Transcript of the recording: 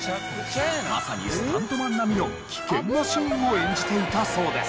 まさにスタントマン並みの危険なシーンを演じていたそうです。